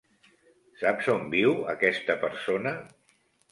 Saps on viu aquesta persona?